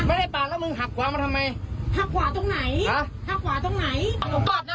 จะเอายังไงก็ต่างคนก็ต่างขอโทษกันสิ